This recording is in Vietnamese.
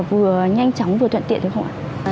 vừa nhanh chóng vừa thuận tiện được không ạ